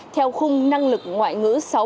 theo khung năng lực ngoại ngữ